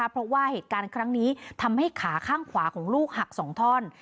เพราะว่าเหตุการณ์ครั้งนี้ทำให้ขาข้างขวาของลูกหัก๒ท่อน